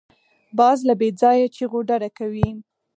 باز له بېځایه چیغو ډډه کوي